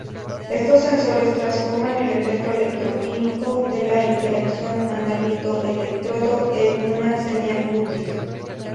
Estos sensores transforman el efecto electroquímico de la interacción analito-electrodo en una señal útil.